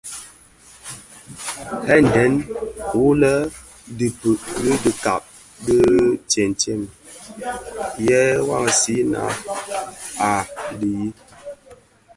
Ndhèňdèn wu lè dhipud bi dikag di tëtsem, ye vansina a dhemi,